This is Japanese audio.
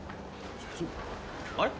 あれ？